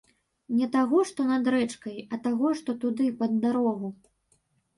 Не таго, што над рэчкай, а таго, што туды, пад дарогу.